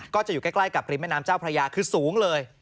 ก็จะอยู่ใกล้กับริมแม่น้ำเจ้าพระยาคือสูงเลย